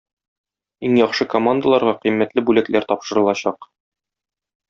Иң яхшы командаларга кыйммәтле бүләкләр тапшырылачак.